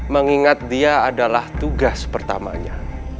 mengingat dia adalah tugas pertamanya